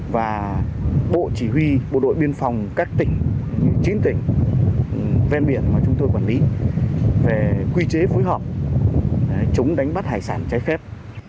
và bộ chỉ huy bộ đội biên phòng các tỉnh chín tỉnh ven biển mà chúng tôi quản lý về quy chế phối hợp chống đánh bắt hải sản trái phép